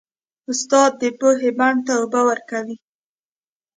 استاد د پوهې بڼ ته اوبه ورکوي.